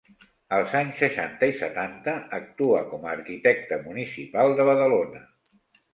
Als anys seixanta i setanta actua com arquitecte municipal de Badalona.